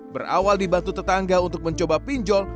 berawal dibantu tetangga untuk mencoba pinjol